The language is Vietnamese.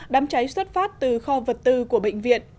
đám cháy xuất phát từ kho vật tư của bệnh viện